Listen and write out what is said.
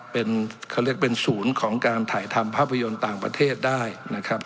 เป็นเขาเรียกเป็นศูนย์ของการถ่ายทำภาพยนตร์ต่างประเทศได้นะครับ